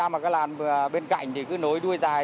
mà cái làn bên cạnh thì cứ nối đuôi dài